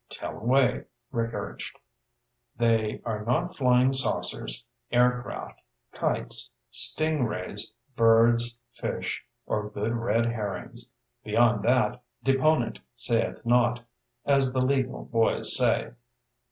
"Tell away," Rick urged. "They are not flying saucers, aircraft, kites, sting rays, birds, fish, or good red herrings. Beyond that, deponent sayeth not, as the legal boys say."